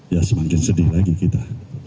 ya semakin sedih lagi kita